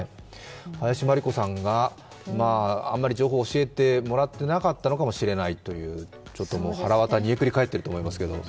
林真理子さんがあまり情報を教えてもらってなかったのかもしれないというちょっとはらわた煮えくりかえっていると思いますけど。